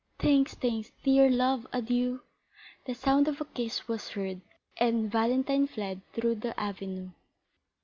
"Thanks, thanks, dear love, adieu!" The sound of a kiss was heard, and Valentine fled through the avenue.